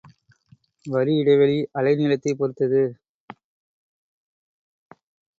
வரி இடைவெளி அலை நீளத்தைப் பொறுத்தது.